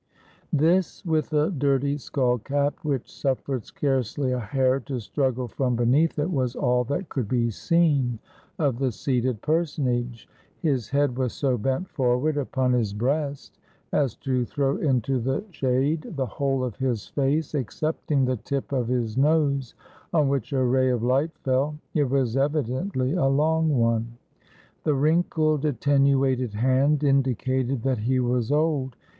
This, with a dirty skull cap, which suffered scarcely a hair to strug gle from .beneath it, was all that could be seen of the seated personage. His head was so bent forward upon his breast as to throw into the shade the whole of his face, excepting the tip of his nose, on which a ray of hght fell; it was evidently a long one. The wrinkled, atten uated hand indicated that he was old.